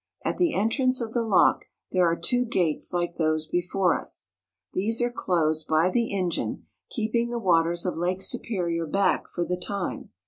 At the entrance of the lock there are two gates like those before us. These are closed by the engine, keeping the waters of Lake Superior back for the time.